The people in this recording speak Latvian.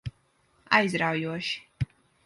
Aizraujoši.